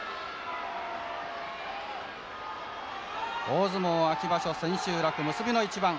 大相撲秋場所千秋楽結びの一番。